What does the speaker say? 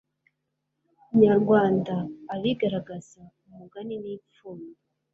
nyarwanda abigaragaza ,umugani n'ipfundo